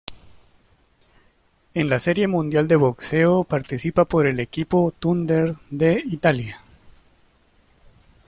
En la Serie Mundial de Boxeo participa por el equipo Thunder de Italia.